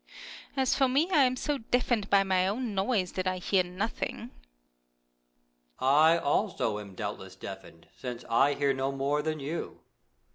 As for me, I am so deafened by my own noise that I hear nothing. Moon. I also am doubtless deafened, since I hear no more than you.